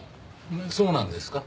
そうなんですか？